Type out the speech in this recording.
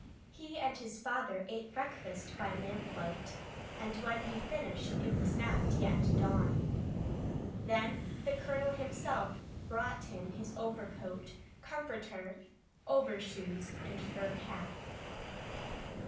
He and his father ate breakfast by lamplight, and when he finished it was not yet dawn. Then the Colonel himself brought him his overcoat, comforter, overshoes, and fur cap.